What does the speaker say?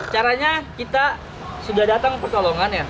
caranya kita sudah datang pertolongan ya